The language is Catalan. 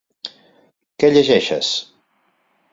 Què llegeixes?